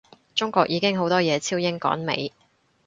中國已經好多嘢超英趕美